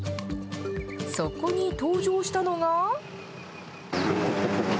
そこに登場したのが。